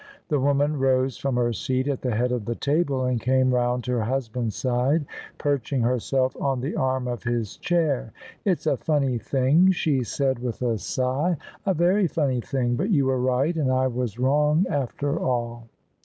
The woman rose from her seat at the head of the table and came round to her husband's side, perching herself on the arm of his chair. " It's a funny thing," she said with a sigh: " a very funny thing: but you were right and I was wrong after all."